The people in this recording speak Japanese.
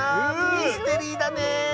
ミステリーだね！